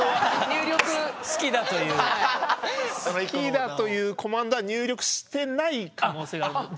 好きだというコマンドは入力してない可能性があります。